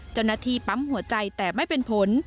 เจ้าหน้าที่ปั๊มหัวใจแต่ไม่เป็นผล